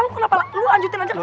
lo kenapa lo anjutin aja ke bisa